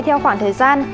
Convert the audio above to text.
theo khoảng thời gian